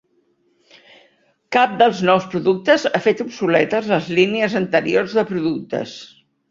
Cap dels nous productes ha fet obsoletes les línies anteriors de productes.